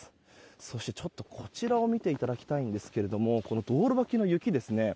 そして、こちらを見ていただきたいんですけども道路脇の雪ですね。